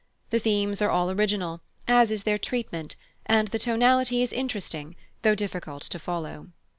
The themes are all original, as is their treatment, and the tonality is interesting though difficult to follow.